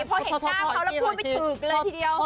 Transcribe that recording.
เฮ่ยพอเห็นหน้าเขาแล้วพูดไปถึงเลยทีเดียว